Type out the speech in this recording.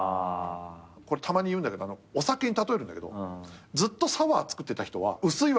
これたまに言うんだけどお酒に例えるんだけどずっとサワーつくってた人は薄いわけよ。